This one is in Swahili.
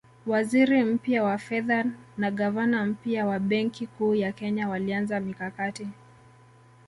Waziri mpya wa fedha na gavana mpya wa Benki Kuu ya Kenya walianza mikakati